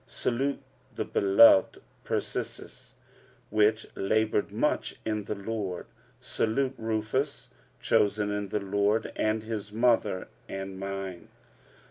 Salute the beloved Persis, which laboured much in the Lord. 45:016:013 Salute Rufus chosen in the Lord, and his mother and mine.